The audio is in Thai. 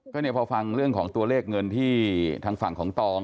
ก็เนี่ยพอฟังเรื่องของตัวเลขเงินที่ทางฝั่งของตอง